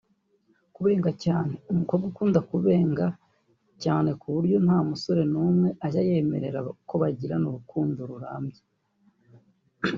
Kubenga cyane ; umukobwa ukunda kubenga cyane ku buryo nta musore n’umwe ajya yemera ko bagirana urukundo rurambye